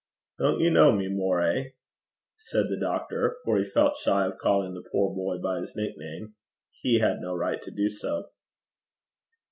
'Don't you know me, Moray?' said the doctor, for he felt shy of calling the poor boy by his nickname: he had no right to do so.